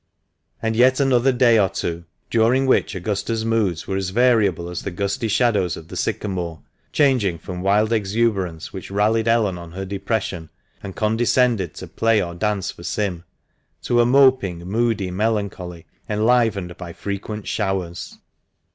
And yet another day or two, during which Augusta's moods were as variable as the gusty shadows of the sycamore, changing from wild exuberance which rallied Ellen on her depression, and condescended to play or dance for Sim, to a moping, moody melancholy, enlivened by frequent showers.